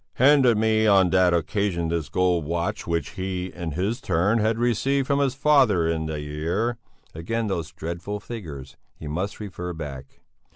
"Handed me on that occasion this gold watch which he, in his turn, had received from his father in the year...." Again those dreadful figures he must refer back.